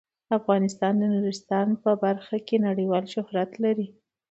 افغانستان د نورستان په برخه کې نړیوال شهرت لري.